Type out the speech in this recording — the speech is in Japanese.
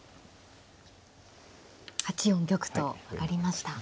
８四玉と上がりました。